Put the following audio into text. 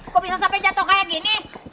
kok bisa sampai jatuh kayak gini